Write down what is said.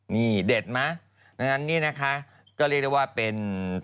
นี่เด็ดไหมดังนั้นนี่นะคะก็เรียกได้ว่าเป็น